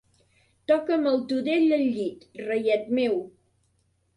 Toca'm el tudell al llit, reiet meu.